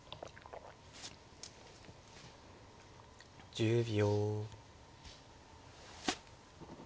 １０秒。